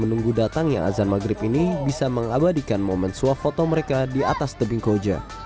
menunggu datangnya azan maghrib ini bisa mengabadikan momen suah foto mereka di atas tebing koja